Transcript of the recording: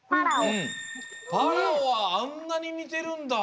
パラオはあんなににてるんだ。